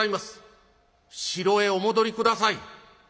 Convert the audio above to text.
城へお戻り下さい」。